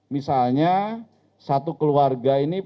misalnya satu keluarga ini